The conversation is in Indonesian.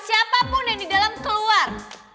siapapun yang di dalam keluar